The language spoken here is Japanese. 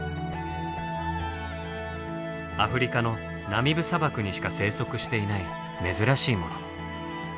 アフリカのナミブ砂漠にしか生息していない珍しいもの。